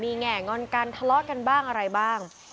แง่งอนกันทะเลาะกันบ้างอะไรบ้าง